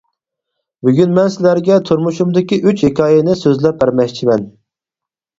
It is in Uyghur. بۈگۈن مەن سىلەرگە تۇرمۇشۇمدىكى ئۈچ ھېكايىنى سۆزلەپ بەرمەكچىمەن.